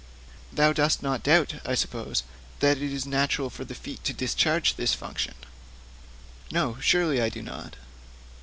'Thou dost not doubt, I suppose, that it is natural for the feet to discharge this function?' 'No; surely I do not.'